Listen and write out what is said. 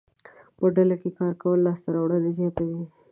په ډله کې کار کول لاسته راوړنې زیاتوي.